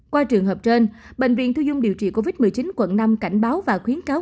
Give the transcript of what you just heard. qua trường hợp trên bệnh viện thu dung điều trị covid một mươi chín quận năm cảnh báo và khuyến cáo